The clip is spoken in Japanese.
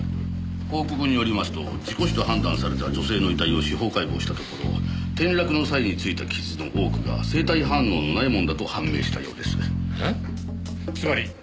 報告によりますと事故死と判断された女性の遺体を司法解剖したところ転落の際についた傷の多くが生体反応のないものだと判明したようです。